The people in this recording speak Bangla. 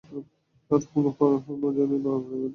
আর হরমুজানের তরবারী আঘাতে সক্ষম হল।